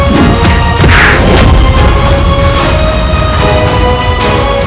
team bees nurse teman teman keseluruhan